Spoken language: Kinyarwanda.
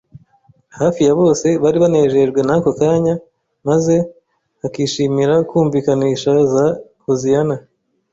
hafi ya bose bari banejejwe n'ako kanya, maze bakishimira kumvikanisha za Hoziyana